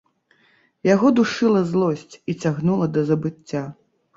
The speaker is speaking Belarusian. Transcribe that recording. Яго душыла злосць і цягнула да забыцця.